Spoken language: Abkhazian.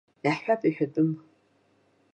Иаҳҳәап иҳәатәым.